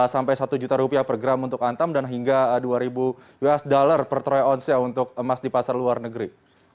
sampai satu juta rupiah per gram untuk antam dan hingga dua ribu usd per troy ounce nya untuk emas di pasar luar negeri